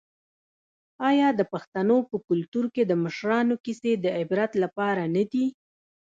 آیا د پښتنو په کلتور کې د مشرانو کیسې د عبرت لپاره نه دي؟